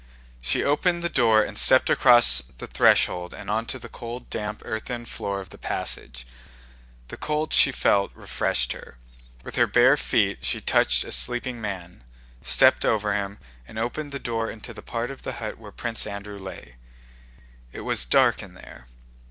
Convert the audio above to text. She opened the door and stepped across the threshold and onto the cold, damp earthen floor of the passage. The cold she felt refreshed her. With her bare feet she touched a sleeping man, stepped over him, and opened the door into the part of the hut where Prince Andrew lay. It was dark in there.